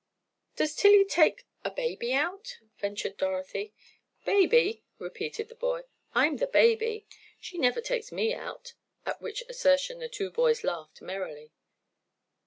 "Does Tillie take—a baby out?" ventured Dorothy. "Baby!" repeated the boy. "I'm the baby. She never takes me out," at which assertion the two boys laughed merrily.